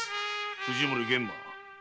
藤森玄馬。